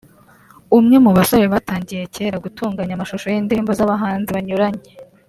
umwe mu basore batangiye cyera gutunganya amashusho y’indirimbo z’abahanzi banyuranye